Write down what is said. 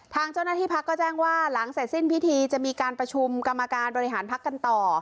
ทางเจ้าหน้าที่พักก็แจ้งว่าหลังเสร็จสิ้นพิธีจะมีการประชุมกรรมการบริหารพักกันต่อ